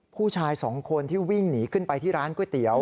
ผู้ชายสองคนที่วิ่งหนีขึ้นไปที่ร้านก๋วยเตี๋ยว